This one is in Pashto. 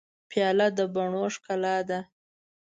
پیاله د بڼو ښکلا ده.